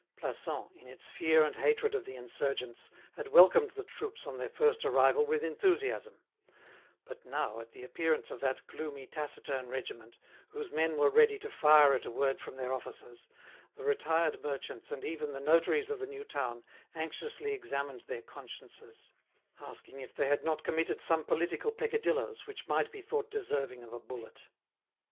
Plassans, in its fear and hatred of the insurgents, had welcomed the troops on their first arrival with enthusiasm; but now, at the appearance of that gloomy taciturn regiment, whose men were ready to fire at a word from their officers, the retired merchants and even the notaries of the new town anxiously examined their consciences, asking if they had not committed some political peccadilloes which might be thought deserving of a bullet.